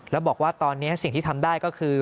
แล้วบอกว่าตอนนี้สิ่งที่ทำได้ก็คือ